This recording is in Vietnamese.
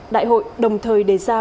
đại hội đồng thời đề ra